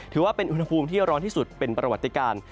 ถือว่าเป็นอุณหภูมิที่ร้อนที่สุดเป็นประวัติการ